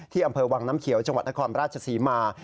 อำเภอวังน้ำเขียวจังหวัดนครราชศรีมา